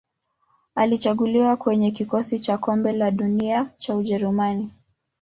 Alichaguliwa kwenye kikosi cha Kombe la Dunia cha Ujerumani.